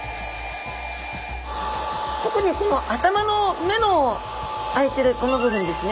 特にこの頭の目のあいてるこの部分ですね